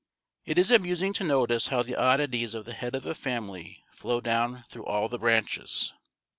It is amusing to notice how the oddities of the head of a family flow down through all the branches.